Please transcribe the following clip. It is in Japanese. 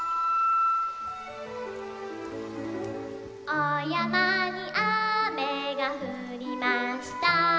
「おやまにあめがふりました」